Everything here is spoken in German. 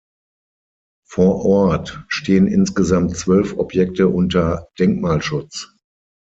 Vor Ort stehen insgesamt zwölf Objekte unter Denkmalschutz.